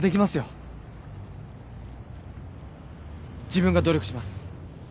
自分が努力します。